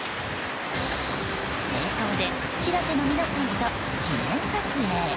正装で「しらせ」の皆さんと記念撮影。